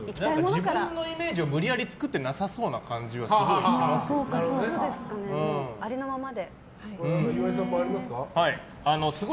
自分のイメージを無理やり作ってなさそうなありのままで、はい。